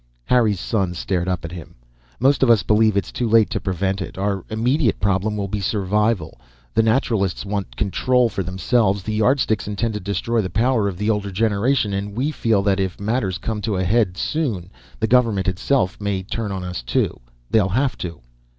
Harry's son stared up at him. "Most of us believe it's too late to prevent it. Our immediate problem will be survival. The Naturalists want control for themselves. The Yardsticks intend to destroy the power of the older generation. And we feel that if matters come to a head soon, the government itself may turn on us, too. They'll have to."